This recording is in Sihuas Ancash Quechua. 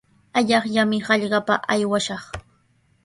Allaqllami hallqapa aywashaq.